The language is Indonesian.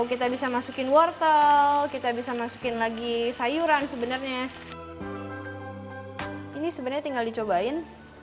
kita bisa masukin wortel kita bisa masukin lagi sayuran sebenarnya ini sebenarnya tinggal dicobain